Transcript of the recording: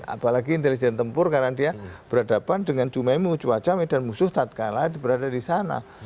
apalagi intelijen tempur karena dia berhadapan dengan jum'e mu'juwa jami dan musuh tatkala berada di sana